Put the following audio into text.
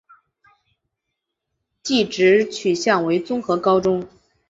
技职取向为综合高中。